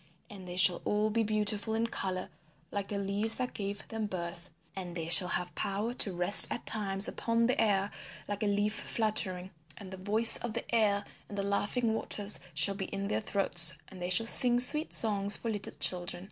And they shall all be beautiful in colour like the leaves that gave them birth; and they shall have power to rest at times upon the air like a leaf fluttering; and the voice of the air and the laughing waters shall be in their throats and they shall sing sweet songs for little children.